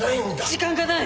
時間がない！